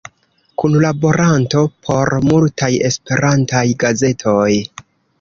Kunlaboranto por multaj Esperantaj gazetoj.